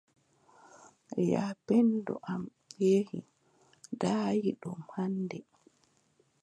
Yaapenndo am yehi daayiiɗum hannde.